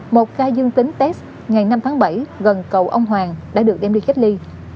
một khai dương tính test ngày năm tháng bảy gần cầu ông hoàng đã được đem đi khách ly